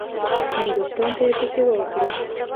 هندوستان ته یې پسې واخیست.